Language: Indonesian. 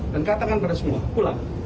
dan katakan pada semua pulang